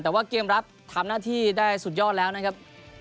แต่ว่าเกมรับทำหน้าที่ได้สุดยอดแล้วนะครับ